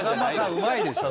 うまいでしょ。